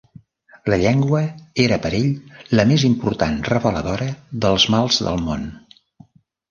La llengua era per ell la més important reveladora dels mals del món.